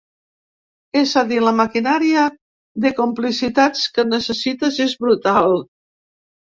És a dir, la maquinària de complicitats que necessites és brutal.